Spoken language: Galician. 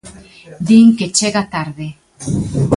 Din que chega tarde.